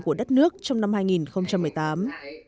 của đất nước trong năm hai nghìn một mươi tám